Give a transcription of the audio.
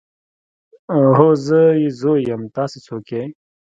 هو زه يې زوی يم تاسې څوک يئ.